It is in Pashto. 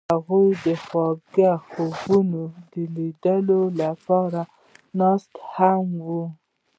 هغوی د خوږ خوبونو د لیدلو لپاره ناست هم وو.